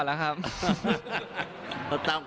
จากสามคนที่เข้ารอบ